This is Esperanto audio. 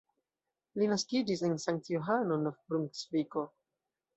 Li naskiĝis en Sankt-Johano, Nov-Brunsviko.